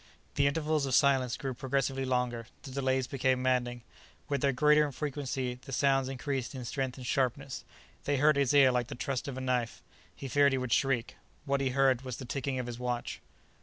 The intervals of silence grew progressively longer; the delays became maddening. With their greater infrequency the sounds increased in strength and sharpness. They hurt his ear like the thrust of a knife; he feared he would shriek. What he heard was the ticking of his watch.